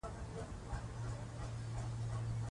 غازیان د خپل دین په ملاتړ جګړه کوي.